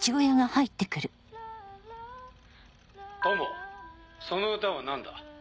知その歌は何だ？